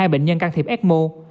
hai mươi hai bệnh nhân can thiệp ecmo